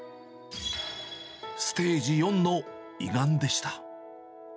ステージ４の胃がんでした。